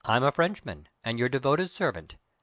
"I'm a Frenchman, and your devoted servant.